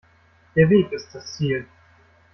Der Weg ist das Ziel.